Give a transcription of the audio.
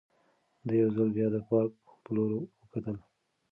ده یو ځل بیا د پارک په لور وکتل.